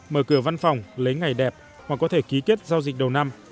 mở cửa văn phòng lấy ngày đẹp hoặc có thể ký kết giao dịch đầu năm